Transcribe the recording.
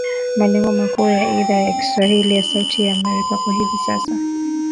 Malengo makuu ya Idhaa ya kiswahili ya Sauti ya Amerika kwa hivi sasa.